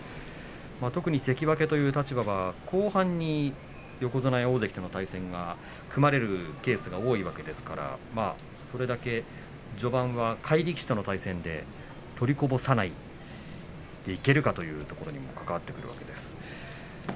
特に関脇という立場は後半に横綱、大関との対戦が組まれるケースが多いわけですからそれだけ序盤は下位力士との対戦で取りこぼさないでいけるかということにも関わってきます。